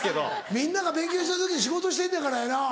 みんなが勉強してる時に仕事してんねやからやな。